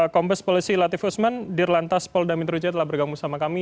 kombes polisi latif usman dirlantas polda metro jaya telah bergabung sama kami